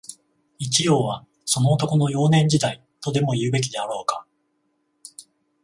一葉は、その男の、幼年時代、とでも言うべきであろうか